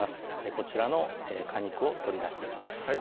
こちらの果肉を取り出していきます